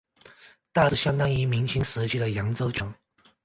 大致相当于明清时期的扬州旧城。